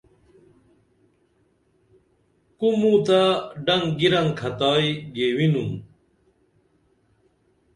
کو موں تہ ڈنگ گِرن کھتائی گیوینُن